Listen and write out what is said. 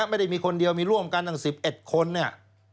ไม่ได้มีคนเดียวมีร่วมกันตั้ง๑๑คนเนี่ย